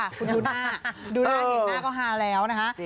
คุณดูหน้าเห็นหน้าเขาฮาแล้วนะคะ